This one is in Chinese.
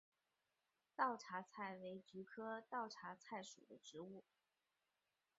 稻槎菜为菊科稻搓菜属的植物。